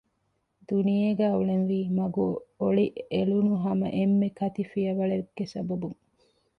ދުނިޔޭގައި އުޅެންވީ މަގު އޮޅި އެޅުނު ހަމަ އެންމެ ކަތިފިޔަވަޅެއްގެ ސަބަބުން